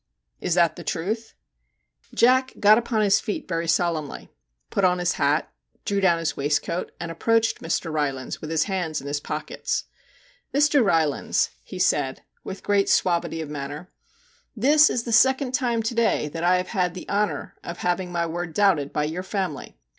' Is that the truth?' Jack got upon his feet very solemnly, put on his hat, drew down his waistcoat, and approached Mr. Rylands with his hands in his pockets. * Mr. Rylands/ he said, with great suavity of MR. JACK HAMLIN'S MEDIATION 59 manner, * this is the second time to day that I have had the honour of having my word doubted by your family.